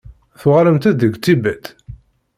Tuɣalemt-d deg Tibet?